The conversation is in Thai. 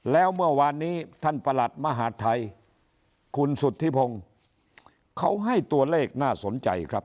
แล้วเมื่อวานนี้ท่านประหลัดมหาดไทยคุณสุธิพงศ์เขาให้ตัวเลขน่าสนใจครับ